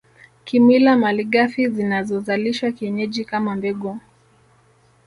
Kimila malighafi zinazozalishwa kienyeji kama mbegu